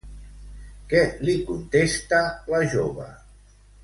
Què li contesta la jove?